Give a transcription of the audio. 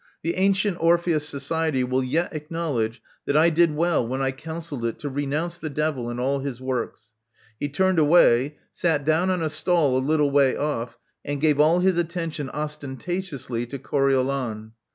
The Antient Orpheus Society will yet acknowledge that I did well when I counselled it to renounce the devil and all his works. " He turned away; sat down on a stall a little way off; and gave all his attention ostentatiously to Coriolan."